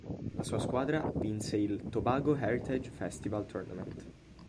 La sua squadra vinse il "Tobago Heritage Festival Tournament".